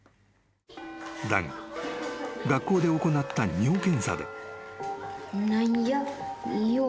［だが学校で行った尿検査で］